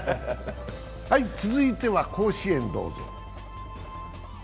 続いては甲子園、どうぞ。